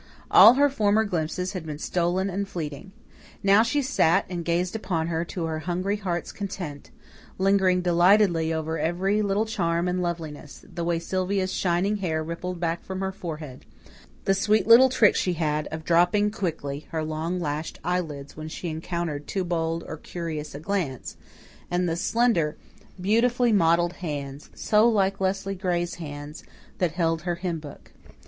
All her former glimpses had been stolen and fleeting. Now she sat and gazed upon her to her hungry heart's content, lingering delightedly over every little charm and loveliness the way Sylvia's shining hair rippled back from her forehead, the sweet little trick she had of dropping quickly her long lashed eyelids when she encountered too bold or curious a glance, and the slender, beautifully modelled hands so like Leslie Gray's hands that held her hymn book.